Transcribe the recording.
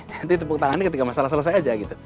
jadi tepuk tangannya ketika masalah selesai saja